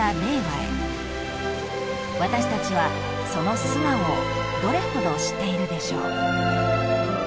［私たちはその素顔をどれほど知っているでしょう］